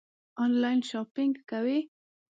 آنلاین شاپنګ کوئ؟